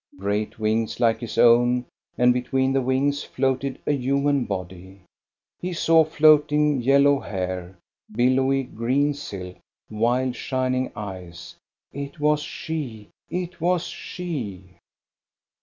Great wings like his own, and between the wings floated a human body. He saw floating yellow hair, billowy green silk, wild shining eyes. It was she, it was she!